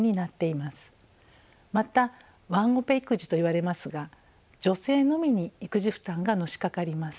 またワンオペ育児といわれますが女性のみに育児負担がのしかかります。